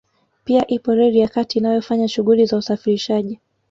Pia ipo reli ya kati inayofanya shughuli za usafirishaji